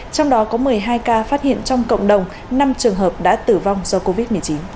trong đó có một mươi hai ca phát hiện trong cộng đồng năm trường hợp đã tử vong do covid một mươi chín